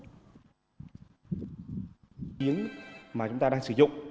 giếng mà chúng ta đang sử dụng